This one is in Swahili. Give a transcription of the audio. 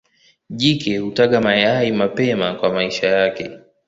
Jike hutaga mayai mapema kwa maisha yake.